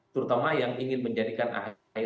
terutama yang ingin menjadikan ahy